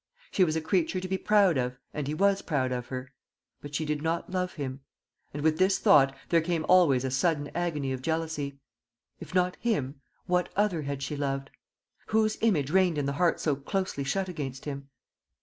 She was a creature to be proud of, and he was proud of her; but she did not love him. And with this thought there came always a sudden agony of jealousy. If not him, what other had she loved? Whose image reigned in the heart so closely shut against him?